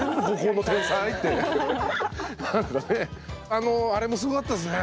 あのあれもすごかったですね